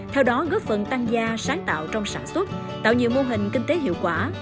theo đó góp phần tăng gia sáng tạo trong sản xuất tạo nhiều mô hình kinh tế hiệu quả